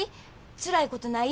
つらいことない？